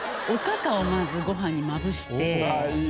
おかかをまずご飯にまぶして。